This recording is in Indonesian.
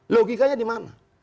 logikanya di mana